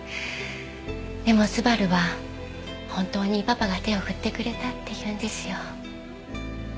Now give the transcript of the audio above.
でも昴は本当にパパが手を振ってくれたって言うんですよ。